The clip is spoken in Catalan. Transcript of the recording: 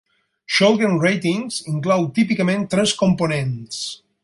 "Shulgin Ratings" inclou típicament tres components.